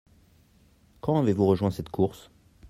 Quand avez-vous rejoint cette course ?